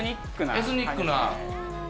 エスニックな。